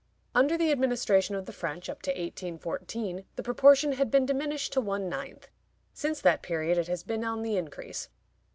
Under the administration of the French, up to 1814, the proportion had been diminished to one ninth. Since that period it has been on the increase.